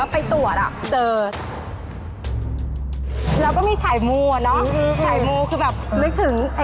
คือตอนแรกคือทานอะไรไม่ได้